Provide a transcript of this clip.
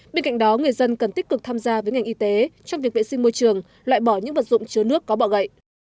bên cạnh đó người dân cần tích cực tham gia với ngành y tế trong việc vệ sinh môi trường loại bỏ những vật dụng chứa nước có bọ gậy